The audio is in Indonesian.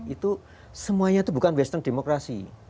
itu semuanya itu bukan western demokrasi